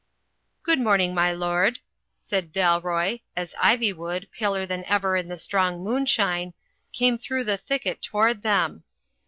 "Good morning, my lord," said Dalroy, as Ivywood, paler than ever in the strong moonshine, came through the thicket toward them.